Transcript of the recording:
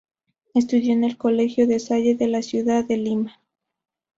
Estudió en el Colegio La Salle de la ciudad de Lima.